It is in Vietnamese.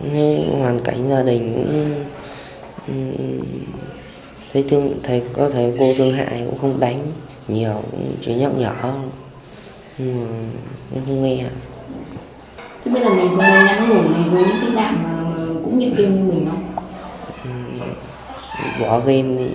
để giúp gia đình trở thành người tốt